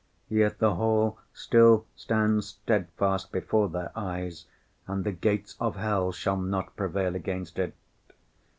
Yet the whole still stands steadfast before their eyes, and the gates of hell shall not prevail against it.